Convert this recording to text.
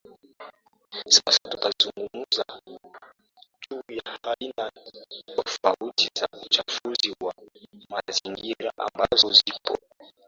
Sasa tutazungumza juu ya aina tofauti za uchafuzi wa mazingira ambazo zipo